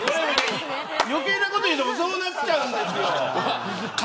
余計なことを言うとそうなっちゃうんです。